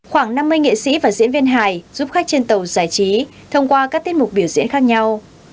khoảng năm mươi nghệ sĩ và diễn viên hài giúp khách trên tàu giải trí thông qua các tiết mục biểu diễn khác nhau